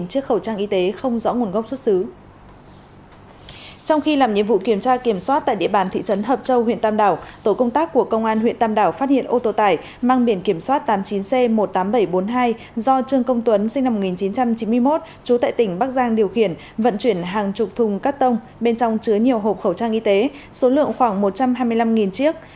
công tác của công an huyện tâm đảo phát hiện ô tô tải mang biển kiểm soát tám mươi chín c một mươi tám nghìn bảy trăm bốn mươi hai do trương công tuấn sinh năm một nghìn chín trăm chín mươi một trú tại tỉnh bắc giang điều khiển vận chuyển hàng chục thùng cắt tông bên trong chứa nhiều hộp khẩu trang y tế số lượng khoảng một trăm hai mươi năm chiếc